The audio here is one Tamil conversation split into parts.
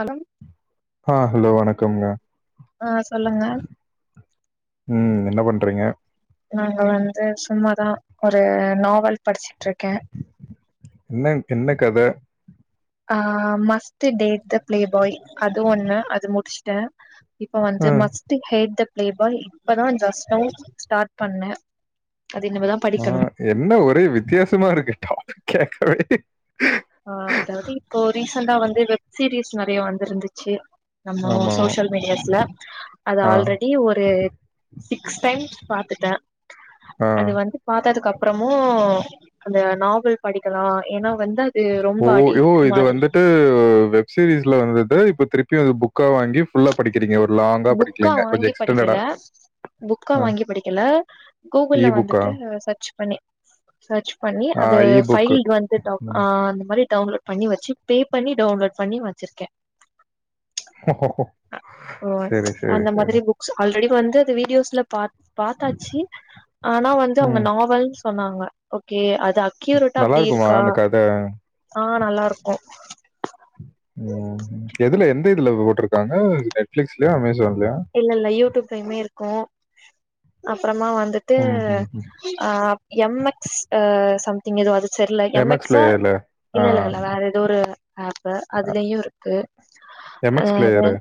அனம் ஆ ஹலோ வணக்கம்ங்க சொல்லுங்க ம் என்ன பண்றிங்க நாங்க வந்து சும்மாதா ஒரு நாவல் படிச்ட்ருக்கே என்ன என்ன கத ஆ must date the playboy அது ஒண்ணு அது முடிச்ட்டே இப்ப அ வந்து must hate the playboy இப்பதா ஜஸ்ட் நௌ ஸ்டார்ட் பண்ணே அது இனிமேதா ஆ படிக்கணு என்ன ஒரே வித்தியாசமா இருக்கு டாபிக் கேக்கவே ஆ அதாவுது இப்போ ரீசன்டா வந்து வெப் சீரிஸ் நறைய வந்துருந்துச்சு நம்ம ஆமா. சோசியல் மீடியாத்துல அது ஆ ஆல்ரெடி ஒரு சிக்ஸ் டைம்ஸ் பாத்துட்ட ஆ. அது வந்து பாத்ததுக்கப் ப்புறமு அந்த நாவல் படிக்கலா எ ஓ ஓ இது வந்துட்டு வெப் சீரிஸ்ல வந்தது இப்ப திருப்பியு அது புக்கா வாங்கி ஃபுல்லா படிக்கிறிங்க ஒரு லாங்கா புக்கா படிக்கலைங்க. கொஞ்சம் வாங்கி எக்ஸ்டெண்டடா. படிக்கல புக்கா ஆ வாங்கி படிக்கல கூகுள்ல இ புக்கா? வந்துட்டு சர்ச் பண்ணி சர்ச் பண்ணி ஆ அது இ புக்கு. ஃபைல் வந்து டாக் ம். அந்த மாரி டவுன்லோடு பண்ணி வச்சு பே பண்ணி டவுன்லோடு பண்ணி வச்சிருக்கே ஹஹோஹோ ஓ அந்த மாதிரி புக்ஸ் ஆல்ரெடி வந்து அது வீடியோஸ்ல பாத் பாத்தாச்சு ஆனா வந்து அவுங்க ம். நாவல்னு சொன்னாங்க ஓகே அ அக்கியூரட்டா நல்லா அப்டி இருக்குமா இருக்கா அந்த கத? ஆ நல்லா இருக்கு ம் எதுல எந்த இதுல போட்டுருக்காங்க நெட்பிளிக்ஸ்லயா அமேசான் இல்ல இல்ல யூடியூப்லயுமே இருக்கு அப்பறமா வந்துட்டு ம், ம், ம். ஆ எம் எக்ஸ் சம்திங் எதோ அது செர்ல எம்எக்ஸ் எம்எக்ஸா பிளேயர்ல ஆ இல்ல இல்ல இல்ல வேற எதோ ஒரு ஆப்பு அதுலயு இருக்கு எம்எக்ஸ் அது பிளேயரு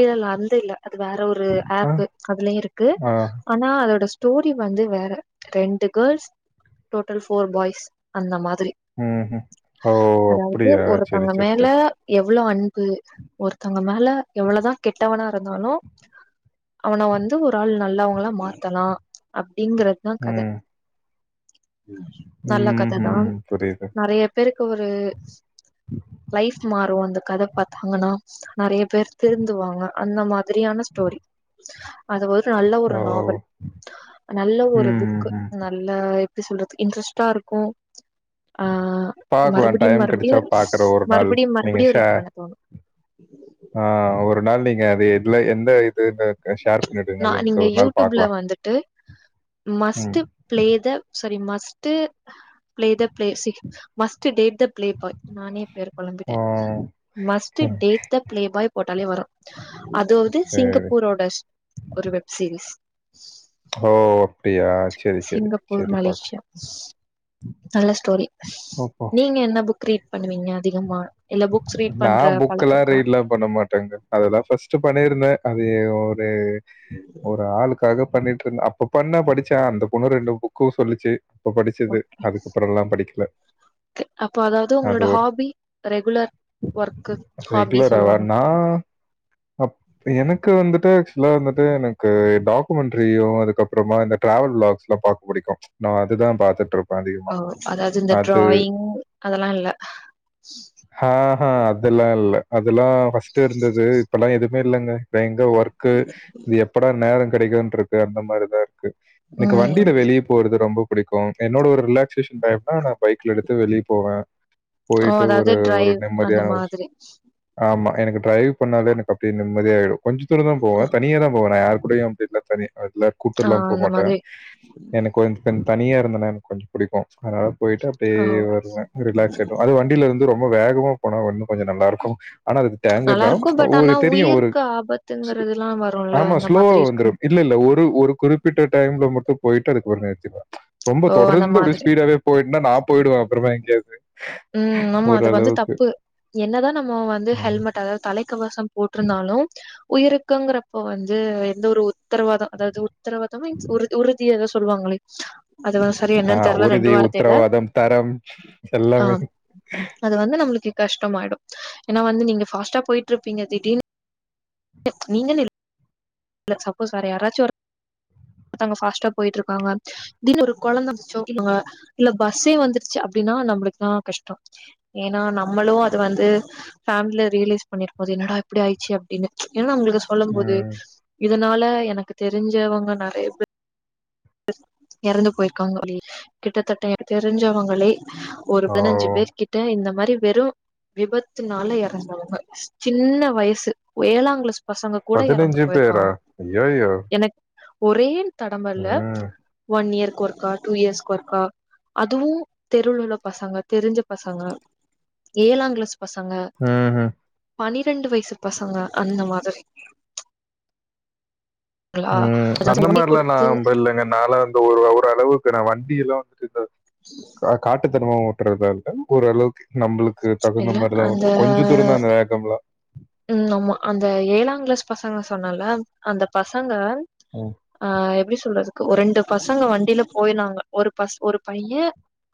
இல்ல இல்ல அது இல்ல அது வேற ஒரு ஆ ஆப்பு அதுலயு இருக்கு ஆ ஆனா அதோட ஸ் டோரி வந்து வேற ரெண்டு கேல்ஸ் டோட்டல் ஃபோர் பாய்ஸ் அந்த மா திரி ம் ம் ஓ அதாவது அப்படியா சரி ஒருத்தவுங்க சரி மேல சரி எவ்வளோ அன்பு ஒருத்தங்க மேல எவ்வளதா கெட்டவனா இருந்தாலு அவன வந்து ஒரு ஆள் நல்லவுங்களா மாத்தலா அப்டிங்குறதா கத ம் நல்ல ம் கததான் ம் புரியுது நறைய பேருக்கு ஒரு லைஃப் மாறு அந்த கத பாத்தாங்கன்னா நறைய பேர் திருந்துவாங்க அந்த மாதிரியான ஸ்டோரி அது ஒரு நல்ல ஒரு ஓ நாவல் நல்ல ஒரு ம் ம் புக்கு ம் நல்ல எப்டி சொல்றது இன்ட்ரெஸ்ட்டா இருக்கு ஆ பார்க்கலாம் மறுபடியு டைம் மறுபடியு கிடைச்சா பார்க்குற ஒரு நாள் மறுபடியு நீங்க மறுபடியு ஷே ரீட் பண்ண தோணு [inaudible] ஆ ஒரு நாள் நீங்க அது எதுல எந்த இதுனு நா நீங்க யுடூப்ல வந்துட்டு ம் மஸ்டு ப்ளே த ரி must play the plays must date playboy நானே பேர் ஆ, கொழம்பிட்டே மஸ்டு ம். டேட் த ப்லே பாய் போட்டாலே வரு அதோது சரி சிங்கப்பூரோட ஒரு வெப் சீரிஸ் ஓ அப்டியா சேரி சேரி சிங்கப்பூர் சேரி பாக்கலா மலேசியா நல்ல ஸ்டோரி நீங்க என்ன புக் ரீட் பண்ணுவீங்க அதிகமா இல்ல புக்ஸ் ரீட் நா பண்ற பழக்க புக்லா இருக்கா ரீட்லா பண்ண மாட்டேங்க அதெல்லா பஸ்ட்டு பண்ணிருந்தே ரு ஒரு ஒரு ஆளுக்காக பண்ணிட்டுருந்த அப்ப பண்ணே படிச்சே அந்த பொண்ணு ரெண்டு புக்கு சொல்லிச்சு அப்ப படிச்சது ஓகே. அதுக்கப்புறல்லா படிக்கல அப்போ அதாவது அது உங்களோட ஒரு ஹாபி ரெகுலர் ஒர்க்கு ஹாபி சொல்லுவாங்க மொத் எனக்கு வந்துட்டு சின்ன வயசுல வந்துட்டு எனக்கு டாக்குமண்ட்ரியு அதுக்கப்புறமா இந்த டிராவல் விளாக்ஸ்லா பாக்க புடிக்கு ஆ அதுதா பாத்துட்டுரு அ அதாது இந்த டிராயிங் அதலா இல்ல ஹஹா அதுலா இல்ல அதுலா ஃபஸ்டு இருந்துது இப்பல்லா எதுமே இல்லங்க இப்ப எங்க ஒர்க்கு இது எப்படா நேர கெடை க்குன்றுக்கு அந்த மாரிதா இருக்கு எனக்கு ம். வண்டில வெளிய போறது ரொம்ப பிடிக்கு என்னோட ஒரு ரிலாக்சேஷன் டைம்னா நா பைக்ல எடுத்து வெளிய போவே ஓ! அதாவது ஒரு ஒரு டிரைவ் அந்த நிம்மதியான [inaudible] மாதிரி. ஆமா எனக்கு டரைவ் பண்ணாலே எனக்கு அப்டியே நிம்மதியா ஆயிரு கொஞ்ச தூரந்தா போவே தனியாதா போவே நா யார்கூடயு பைக்ல தனியா [unintelligible] ஆ கூட்டுலா அந்த போமாட்டே மாதிரி. எனக்கு கொஞ்ச தனியா இருந்தனா எனக்கு கொஞ்ச புடிக்கு அதனால போயிட்டு அப்டியே ஓ! வருவே ரிலாக்ஸ் ஆயிரு அது வ ரொம்ப வேகமா போனா ஒன்னு கொஞ்சோ நல்லா இருக்கு ஆனா அதுக்கு டேன்ஜர்தா நல்லாருக்கும். பட் ஒரு ஆனா தெரியு ஒரு உயிருக்கு ஆபத்துங்கிறதுலாம் வரும்ல. ஆமா அந்த ஸ்லோவா மாதிரி வந்துரு இருக்கும். இல்ல ல்ல ஒரு ஒரு குறிப்பிட்ட டைம்ல மட்டு போயிட்டு தெரக் ஒரு நேர்த்திக்கூ ரொம்ப ஓ! அந்த தொடர்ந்து அப்டியே மாதிரி. ஸ்பீடாவே போயின்னா நா போயிடுவே அப்புறமா எங்கேயாது ம் ஆமா அது வந்து தப்பு என்னதா நம்மோ வந்து ம். ஹெல்மெட் அதாவ்து தல் கவசோ போட்ருந்தாலூ உயிருக்குங்கிறப்ப வந்து எந்த ஒரு உத்தரவாதோ அதாவ்து உத்தரவாதோ மீன்ஸ் உறுத் உறுதியா எதோ சொல்லுவாங் அதுவா சரியா ஆ என்னன் தெர்ல ரெண்டு உறுதி, வார்த்தைல உத்தரவாதம், தரம் ஆ எல்லாமே. அது வந்து நம்மளுக்கு கஷ்டமாயிடு ஏனா வந்து நீங்க ஃபாஸ்ட்டா போயிட்ருப்பீங்க திடீன் நீங்கன் இல் சப்போஸ் வேற யாராச்சு வர் தாங்க ஃபாஸ்டா போயிட்ருக்காங்க [inaudible] ஒரு கொழந்த [inaudible] இல்ல பஸ்ஸே வந்துருச்சு அப்டின் னா நம்ளுக்குதா கஷ்டோ ஏனா நம்மளூ அது வந்து ஃபேம்ல ரியலைஸ் பண்ணிருக்கூ அது என் அ இப்டி ஆயிச்சே அப்பிடினு ஏனா உங்குளுக்கு சொல்லும்போது ம். இதனால எனக்கு தெரிஞ்சவங்க நறைய பே எறந்து போயிருக்காங்களே கிட்டத்தட்ட தெரிஞ்சவங்களே ஒரு ஓ! பதினஞ்சு பேர்கிட்ட இந்த மா டு வெறு விபத்துனால எறந்தவுங்க சின்ன வயசு ஒ ஏழாங்கிளாஸ் பசங்க கூட எறந்து பேரா? போயிருக்காங்க ஐயய்யோ! எனக் ஒரே தடம்பல்ல ம். ஒன் இயர்க்கு ஒர்க்கா டூ இயர்ஸ்கு ஒர்க்கா அதுவும் தெருலவுள்ள பசங்க தெரிஞ்ச பசங்க ஏழாங்கிளாஸ் பசங்க ம்ஹ்ம். பனிர் னெண்டு வயசு பசங்க அந்த மாதிரி ஆ அந்த மாரிலா குடுத்து நாம்பல்லைங்க நாலா தொ ஒரு ஒரளவுக்கு நா வண்டியெல்லா [inaudible] கா காட்டுத்தனமா ஓட் றதல்ல ஓரளவுக்கு நம்மளுக்கு தகுந்த இல்ல மாரிதா அந்த ஓட்டுவே கொஞ்ச தூரோந்தா அந்த வேகம்லா ம் ஆமா அந்த ஏழாங்கிளாஸ் பசங்க சொன்னல அந்த பசங்க ம், ஆ எப்டி சொல்றது கு ரெண்டு பசங்க வண்டில போயினாங்க ஒரு பஸ் ஒரு பைய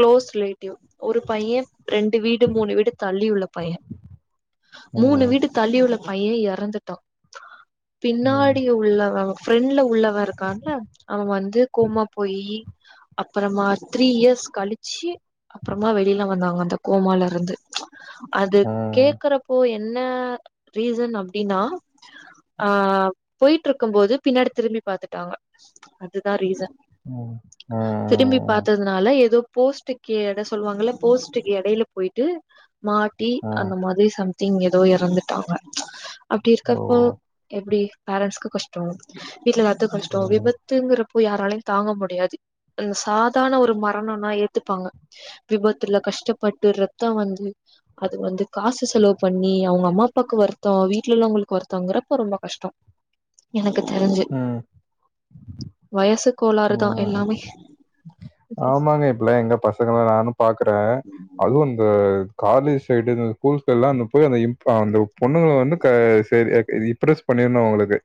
களோஸ் ரிலேட்டிவ் ஒரு பைய ரெண்டு வீடு மூணு வீடு தள்ளி உள்ள பைய மூணு ம் வீடு தள்ளி உள்ள பைய எறந்துட்டா ம், பின்னாடி உள்ளவவ ஃப்ரெண்ட்ல உள்ள வ இருக்கான்ல அவ வந்து கோமா போயி அப்புறமா த்ரீ இயர்ஸ் கழிச்சு அப்றமா வெளியில வந்தாங்க அந்த கோமாலருந்து அது ஆ, கேக்குறப்போ என்ன ரீசன் அப்டினா ஆ போயிட்ருக்கும் போது பின்னாடி திரும்பி பாத்துட்டாங்க அதுதா ரீசன் ம், ஆ, திரும்பி பாத்ததுனால எதோ போஸ்ட்டுக்கு எட சொல்லுவாங்கல்ல போஸ்ட்டுக்கு எடையில போயிட்டு மாட்டி ஆ, ஆ, அந்த மாரி சம் திங்க் எதோ எறந்துட்டாங்க ஓ! அப்டிருக்கப்போ எப்டி பேரண்ட்ஸ்கு கஷ்டோ வீட்லெல்லாத்து கஷ்டே ம், விபத்துங்கிற போய் யாராலயு தாங்க முடியாது ம் சாதாரண ஒரு மரணோனா ஏத்துப்பாங்க விபத்துல க ஷ்டப்பட்டு ரத்த வந்து அது வந்து காசு செலவு பண்ணி அவுங்கம்மா பாக்கு வருத்தோ வீட்ல உள்ளவுங்குளுக்கு வருத்தோங்கிறப்ப ரொம்ப கஷ்டோ எனக் கு தெரிஞ்சு ம், வயசு கோளாறுதா ம். எல்லாமே ஆமாங்க இப்பல்லா எங்க பசங்கள நானு பாக்குறே அதுவு இந்த காலேஜ் சைடு இந்த ஸ்கூல் சைட்லா அங்க போய் அந்த இம்ப் அந்த பொண்ணுங்கள வந்து க செர் எ இம்ப்ரஸ் பண் ணேணு அவுங்களுக்கு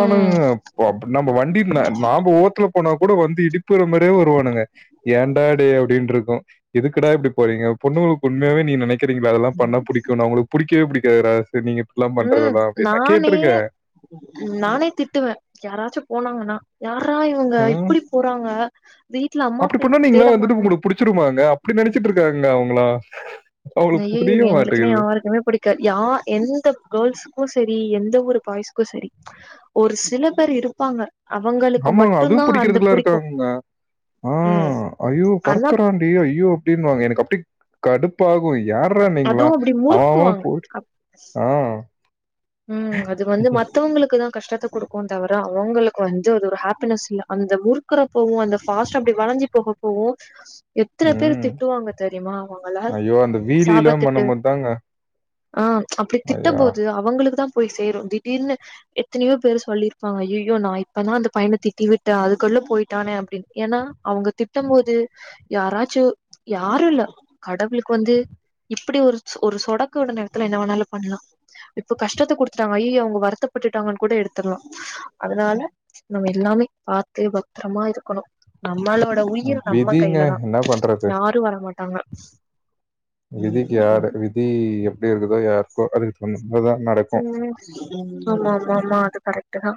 ம் பப் நம்ம வண்டி நாம ஓத்துல போனா கூட வந்து இடிப்புற மாரியே வருவானுங்க ஏன்டா டே அப்டின்ட்ருக்கூ எதுக்குடா இப்டி போறீங்க பொண்ணுங்களுக்கு உண்மையாவ நீங் நெனைக்றீங்ளா இதெல்லா பண்ணா புடிக்கூனு அவுங்ளுக்கு புடிக்கவே புடிக்காதுரா நீங்க இப்ட்லா ம் பண்றதெல்லா அப்டின் நா நானே கேட்டிருக்கே நானே திட்டுவே யாராச்சு போனாங்கன்னா யாரா இவங்க ம். இப்பிடி போறாங்க வீட்ல அம்மா அப்டி அப்பா பண்ணா நீங்களா தேட வந்துட்டு மாட்டாங்க உங்குளுக்கு புடிச்சிருமாங்க அப்டி நெனைச்சிட்ருக்காங்க அவுங்ளா நையய எங்களுக்குனே யாருக்குமே புடிக்கா யா எந்த கேர்ள்ஸுக்கூ செ எ எந்த ஒரு கயசுக்கு செரி ஒரு சில பேர் இருப்பாங்க அவங்களுக்கு ஆமாங்க அதுவு மட்டுந்தா அந்த புடிக்கறதுக்கெல்லா புடிக்கு இருக்காங்க ஆ ம் ஐயோ ஆனா பறக்கறாண்டி ஐயோ அப்டின்வாங்க எனக்கு அப்டி கடுப்பாகு யார்றா நீங்ளா அதுவு அப்டி அவ அவ முறுக்குவாங்க போட் ஆ ம் அது வந்து மத்தவங்களுக்கு தா கஷ்டத்த குடுக்கு தவுர அவங்களுக்கு வந்து அது ஒரு ஹாப்பினஸில்ல அந்த முறுக்கற போவு அந்த ஃபஸ்ட் அப்டி அஞ்சி போக போவோ எத்தன பேர் ம். திட்டுவாங்க தெரியுமா அவங்களா ஐயோ! அந்த வீலிலாம் சாபாத்திட்டு பண்ணும்போது தாங்க, அ அப்பிடி திட்ட ஐயா! போது அவங்களுக்கு தா போய் சேரு திடீர்ன்னு எத்தனையோ பேரு சொல்லிருப்பாங்க அய்யயோ நா இப்பதா அந்த பையன திட்டிவிட்டே அது கொள்ள போயிட்டானே அப்டின்னு ஏன்னா அவங்க திட்டும் போது யாராச்சு யாருல்ல கடவுளுக்கு வந்து இப்பிடி ஒரு ஒரு சொடக்கு விழுந்த எடத்துல என்ன வேணாலு பண்ணலா இப்போ கஷ்டத்த குடுத்துட்டாங்க அய்யயோ அவுங்க வருத்தப்பட்டுட்டாங்கன் கூட எடுத்தர்லா அதனால நம்ம எல்லாமே பாத்து பத்தரமா இருக்கணு நம்மளோட உயிர் நம்ம விதிங்க கையில தா என்ன பண்றது? யாரு வரமாட்டாங்க விதிக்கு யாரு விதி எப்பிடி இருக்குதோ யாருக்கோ அது சொல்லும்போதுதா நடக்கு ம் ஆமா ஆமா ஆமா அது கரெக்ட்டு தா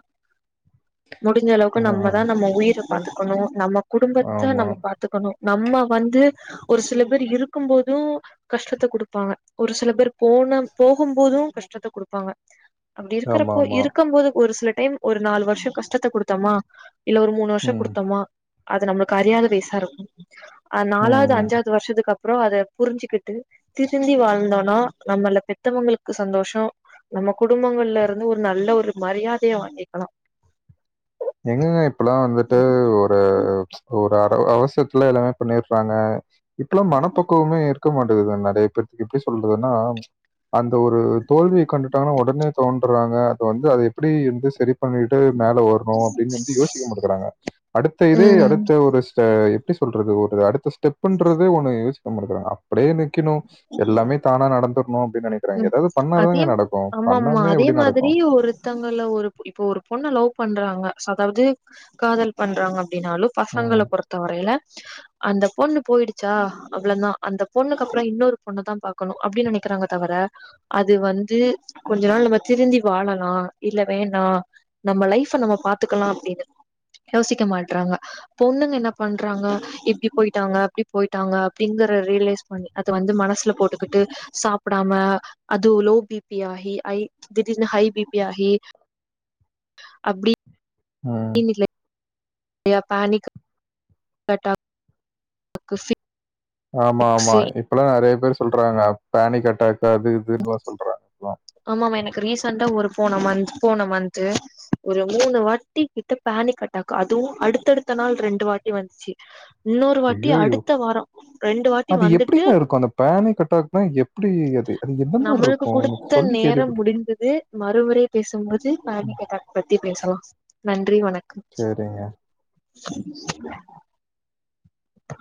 முடிஞ்ச அளவுக்கு ஆ. நம்மதா நம்ம உயிரு பாத்துக்கணு நம்ம குடும்பத்த ஆமா. நம்ம பாத்துக்கணு நம்ம வந்து ஒரு சில பேர் இருக்கும் போது கஷ்டத்த குடுப்பாங்க ஒரு சில பேர் போ பொன்னம் போகும் போது கஷ்டத்த குடுப்பாங்க அப்டி இருக்கறப்போ ஆமாமா. இருக்கும் போது ஒரு சில டைம் ஒரு நாலு வருஷோ கஷ்டத்த குடுத்தோமா இல்ல ஒரு மூணு வருஷோ ம். குடுத்தமா அது நம்பளுக்கு அறியாத வயசாருக்கும் அது ம். நாலாவது ம். அஞ்சாவது வருஷத்துக்கு அப் அப்புறோ அத புரிஞ்சுக்கிட்டு திருந்தி வாழ்ந்தோன்னா நம்மல பெத்தவங்களுக்கு சந்தோஷோ நம்ம குடும்பங்கள்லருந்து ஒரு நல்ல ஒரு மரியாதையே வாங்கிக்கலா எங்கங்க இப்பல்லா வந்துட்டு ஒரு ஒரு ஆ அ அவசரயத்துல எல்லாமே பண்ணிர்றாங்க இப்பல்லா மனப்பக்கவுமே இருக்க மாட்டது நெறைய பேத்துக்கு எப்பிடி சொல்றதுன்னா அந்த ஒரு தோல்வியை கண்டுட்டாங்கன்னா ஒடனே தோவன்றாங்க அது வந்து அது எப்பிடி எப்டி செரிப் பண்ணிட்டு மேலே வரணு இங்க வந்து யோசிக்கமாட்டுறாங்க அடுத்த இது ம் அடுத்த ஒரு சொ அ எப்பிடி சொல்றது ஒரு அடுத்த ஸ்டெப்புன்றது ஒன்னு யோசிக்க மாட்டங்கறாங்க அப்டே நிக்கணு எல்லாமே தானா நடந்துர் ம் அதே மா ஆமா ஆமா பண்ணாமயே அதே எப்படி மாதிரி நடக்கும்? ஒருத்தவங்கல ஒரு பொ இப்ப ஒரு பொண்ண லவ் வு பண்றாங்க அதாவது காதல் பண்றாங்க அப்டின்னாலு ம். பசங்கள பொறுத்த வரையில அந்த பொண்ணு போயிடுச்சா அவ்ளோ தா அந்த பொண்ணுக்கு அப்புறோ இன்னொரு பொண்ணு தா பாகக்கணு அப்டின் நெனைக்கிறாங்க தவர அது வந்து கொஞ்ச நாள்ல நம்ம திருந்தி வாழலா இல்ல வேணா நம்ம லைஃப நம்ம பாத்துக்கலா அப்டின்னு யோசிக்க மாட்றாங்க பொண்ணுங்க என்ன பண்றாங்க இப்டி போயிட்டாங்க அப்டி போயிட்டாங்க அப்டிங்கற ரி ரியலைஸ் பண்ணி அத வந்து மனசுல போட்டுக்கிட்டு சாப் புடாம அது லோ பி பி ஆகி ஹைய் திடிர்ன்னு ஹைய் பி பி ஆகி அப்டி ம் ய பேனிக் ஹட்டாவ் [inaudible] ஆமா ஆமா இப்பல்லா நறைய பேரு சொல்றாங்க பேனிக் அட்டாக் கு அது இதுன்லா சொல்றாங்ல ஆமாமா எனக்கு ரீசண்டா ஒரு போன மந்த் போன மந்த் ஒரு மூணு வட்டி கிட்ட பேனிக் அட்டா அதுவு அடுத்தடுத்த நாள் ரெண்டு வாட்டி வந்துச்சு இன்னொரு வாட்டி அய்யயோ அடுத்த வாரோ ரெண்டு வாட்டி அது வந்துட் எப்டிங்க இருக்கு அந்த பேனிக் அட்டாக்னா எப்பிடி அது அது என் நம்மளுக்கு குடுத்த நேரம் முடிஞ்சுது மறுபடி பேசும்போது [unintelligible] பத்தி அப்பின்னு சொாம் நன்றி வணக்கம் அ ச